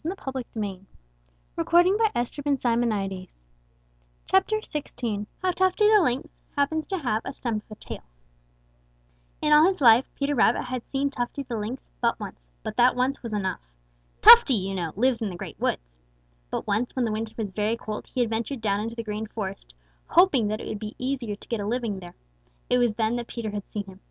Page 210.] XVI HOW TUFTY THE LYNX HAPPENS TO HAVE A STUMP OF A TAIL XVI HOW TUFTY THE LYNX HAPPENS TO HAVE A STUMP OF A TAIL In all his life Peter Rabbit had seen Tufty the Lynx but once, but that once was enough. Tufty, you know, lives in the Great Woods. But once, when the winter was very cold, he had ventured down into the Green Forest, hoping that it would be easier to get a living there. It was then that Peter had seen him.